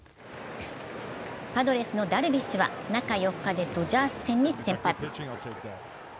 パドレスのダルビッシュは中４日でドジャース戦に先発。